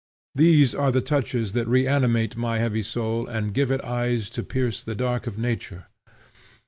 These are the touches that reanimate my heavy soul and give it eyes to pierce the dark of nature.